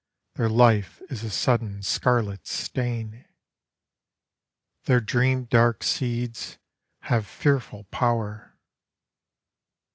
Their life is a sudden scarlet stain! Their dream dark seeds have fearful power.